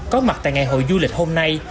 có mặt tại ngày hội du lịch hôm nay